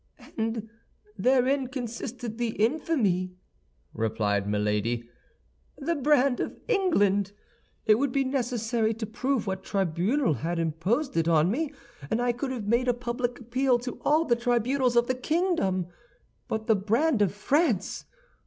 "And therein consisted the infamy," replied Milady. "The brand of England!—it would be necessary to prove what tribunal had imposed it on me, and I could have made a public appeal to all the tribunals of the kingdom; but the brand of France!